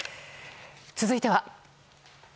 続いては。